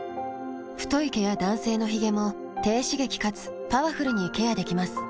太い毛や男性のヒゲも低刺激かつパワフルにケアできます。